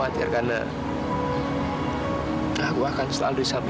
aku berarti ibu gak ada di sana